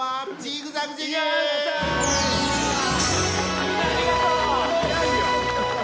みんなありがとう！